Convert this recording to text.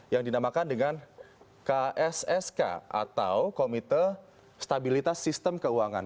yang dinamakan dengan kssk atau komite stabilitas sistem keuangan